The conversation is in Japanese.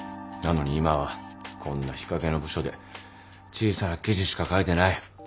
なのに今はこんな日陰の部署で小さな記事しか書いてない。